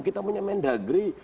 kita punya mendagri